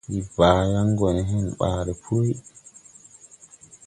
Ndi baa yan go ne hen baale pùrí.